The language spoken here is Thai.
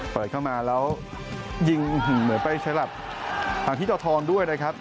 เปิดเข้ามาแล้วยิงเหมือนลำกลางทิศวรรภ์ด้วยชัวรับ